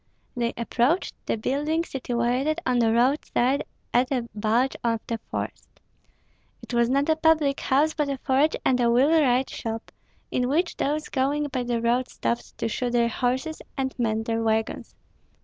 They approached the building situated on the roadside at a bulge of the forest. It was not a public house, but a forge and a wheelwright shop, in which those going by the road stopped to shoe their horses and mend their wagons.